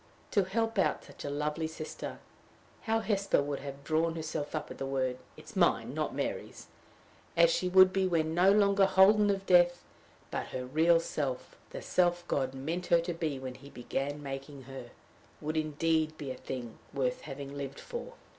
To help out such a lovely sister how Hesper would have drawn herself up at the word! it is mine, not Mary's as she would be when no longer holden of death, but her real self, the self God meant her to be when he began making her, would indeed be a thing worth having lived for!